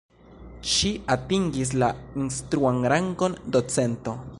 Ŝi atingis la instruan rangon docento.